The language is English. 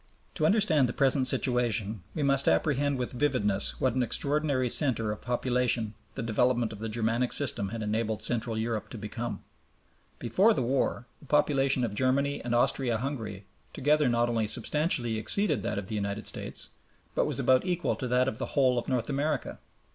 To understand the present situation, we must apprehend with vividness what an extraordinary center of population the development of the Germanic system had enabled Central Europe to become. Before the war the population of Germany and Austria Hungary together not only substantially exceeded that of the United States, but was about equal to that of the whole of North America.